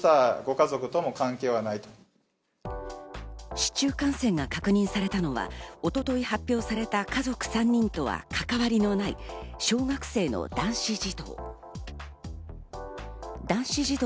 市中感染が確認されたのは一昨日発表された家族３人とは関わりのない小学生の男子児童。